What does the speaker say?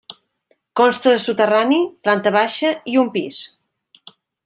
Consta de soterrani, planta baixa i un pis.